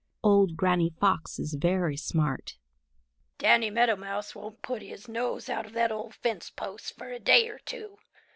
Old Granny Fox is very smart. "Danny Meadow Mouse won't put his nose out of that old fence post for a day or two.